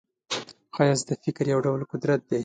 ښایست د فکر یو ډول قدرت دی